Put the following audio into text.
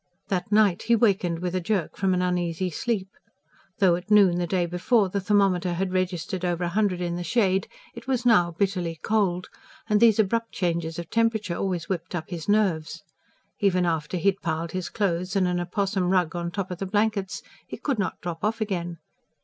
That night he wakened with a jerk from an uneasy sleep. Though at noon the day before, the thermometer had registered over a hundred in the shade, it was now bitterly cold, and these abrupt changes of temperature always whipped up his nerves. Even after he had piled his clothes and an opossum rug on top of the blankets, he could not drop off again.